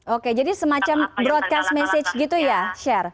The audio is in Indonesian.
oke jadi semacam broadcast message gitu ya sher